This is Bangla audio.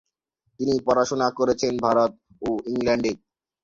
তিনি পড়াশোনা করেছেন ভারত ও ইংল্যান্ডে।